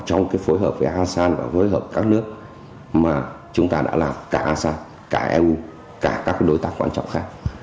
trong cái phối hợp với asean và phối hợp các nước mà chúng ta đã làm cả asean cả eu cả các đối tác quan trọng khác